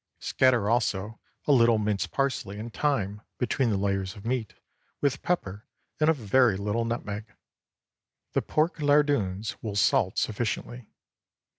Scatter also a little minced parsley and thyme between the layers of meat, with pepper, and a very little nutmeg. The pork lardoons will salt sufficiently.